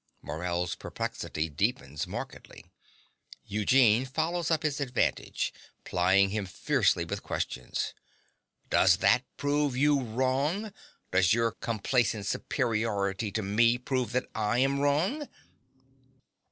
(Morell's perplexity deepens markedly. Eugene follows up his advantage, plying him fiercely with questions.) Does that prove you wrong? Does your complacent superiority to me prove that I am wrong?